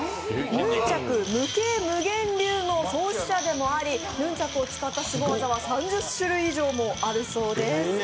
ヌンチャク無形無限流の創始者でもありヌンチャクを使ったすご技は３０種類以上もあるそうです。